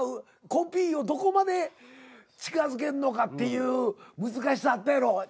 コピーをどこまで近づけんのかっていう難しさあったやろ。